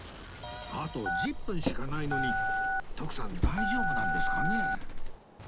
あと１０分しかないのに徳さん大丈夫なんですかね？